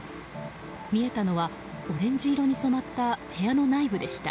見えたのはオレンジ色に染まった部屋の内部でした。